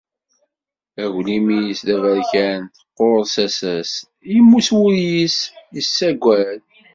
Aglim-is d aberkan, teqquṛ tasa-s, immut wul-is, issagad.